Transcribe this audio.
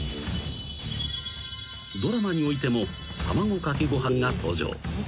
［ドラマにおいても卵かけご飯が登場］